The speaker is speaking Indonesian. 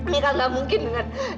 mira nggak mungkin dengan